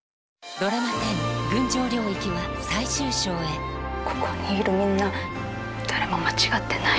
ドラマ１０「群青領域」は最終章へここにいるみんな誰も間違ってない。